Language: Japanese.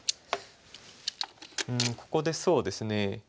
うんここでそうですね。